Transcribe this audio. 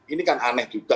ini kan aneh juga